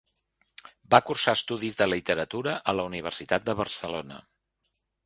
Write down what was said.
Va cursar estudis de literatura a la Universitat de Barcelona.